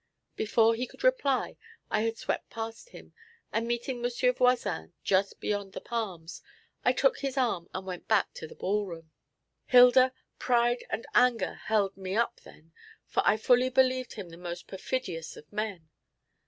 Before he could reply I had swept past him, and meeting M. Voisin just beyond the palms, I took his arm and went back to the ball room. Hilda, pride and anger held me up then, for I fully believed him the most perfidious of men.